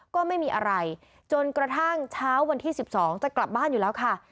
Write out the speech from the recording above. ก็ไม่มีอะไรจนกระทั่งเช้าวันที่๑๒จะกลับบ้านอยู่แล้วค่ะ